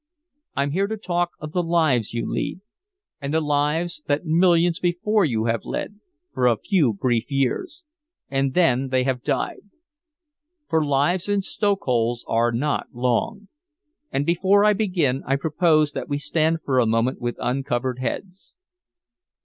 "I'm here to talk of the lives you lead the lives that millions before you have led for a few brief years and then they have died. For lives in stokeholes are not long. And before I begin I propose that we stand for a moment with uncovered heads."